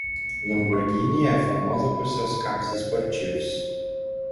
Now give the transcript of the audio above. Lamborghini é famosa por seus carros esportivos.